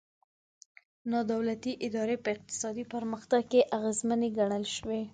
نا دولتي ادارې په اقتصادي پرمختګ کې اغېزمنې ګڼل شوي.